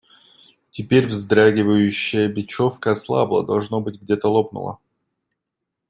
Теперь вздрагивающая бечевка ослабла – должно быть, где-то лопнула.